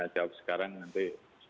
jawab sekarang nanti